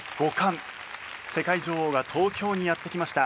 世界女王が東京にやって来ました。